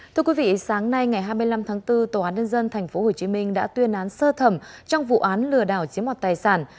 thưa quý vị sáng nay ngày hai mươi năm tháng bốn tòa án nhân dân tp hcm đã tuyên án sơ thẩm trong vụ án lừa đảo chiếm hoạt tài sản